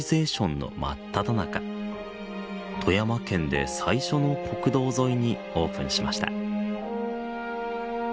富山県で最初の国道沿いにオープンしました。